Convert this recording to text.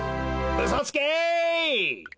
うそつけ！